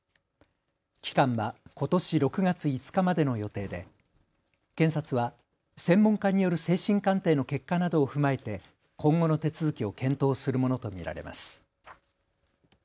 期間はことし６月５日までの予定で検察は専門家による精神鑑定の結果などを踏まえて今後の手続きを検討するものと見られます。